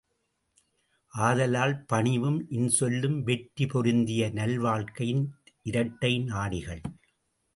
ஆதலால் பணிவும் இன் சொல்லும் வெற்றி பொருந்திய நல்வாழ்க்கையின் இரட்டை நாடிகள்.